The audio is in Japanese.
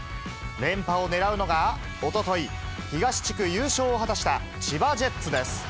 連覇をねらうのが、おととい、東地区優勝を果たした千葉ジェッツです。